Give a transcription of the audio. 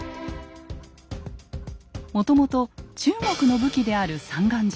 もともと中国の武器である三眼銃。